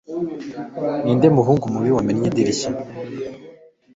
Ninde muhungu mubi wamennye idirishya